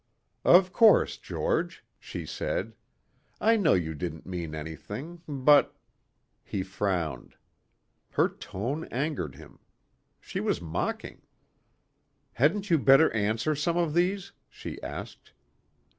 "Of course, George," she said. "I know you didn't mean anything, but...." He frowned. Her tone angered him. She was mocking. "Hadn't you better answer some of these?" she asked.